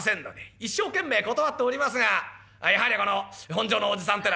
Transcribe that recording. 一生懸命断っておりますがやはりこの本所のおじさんってのはしつこいもんで。